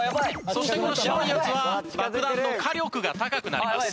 そしてこの白いやつは爆弾の火力が高くなります。